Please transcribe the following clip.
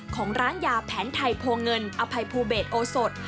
ของร้านยาแผนไทยโพเงินอภัยภูเบศโอสด